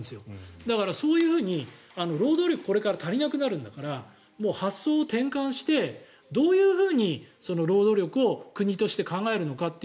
だから、そういうふうに労働力これから足りなくなるんだから発想を転換してどういうふうに労働力を国として考えるかという